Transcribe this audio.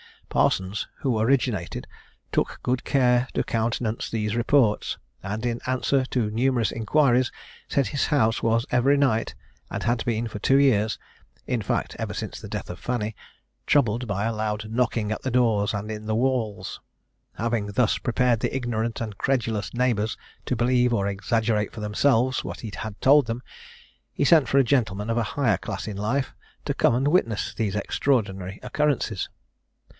Parsons, who originated, took good care to countenance these reports; and, in answer to numerous inquiries, said his house was every night, and had been for two years in fact ever since the death of Fanny, troubled by a loud knocking at the doors and in the walls. Having thus prepared the ignorant and credulous neighbours to believe or exaggerate for themselves what he had told them, he sent for a gentleman of a higher class in life, to come and witness these extraordinary occurrences.